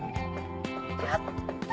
やった！